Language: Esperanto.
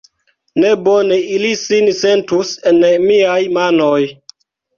Ne bone ili sin sentus en miaj manoj!